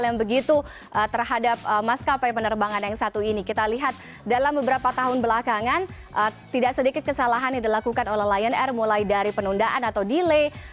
yang begitu terhadap maskapai penerbangan yang satu ini kita lihat dalam beberapa tahun belakangan tidak sedikit kesalahan yang dilakukan oleh lion air mulai dari penundaan atau delay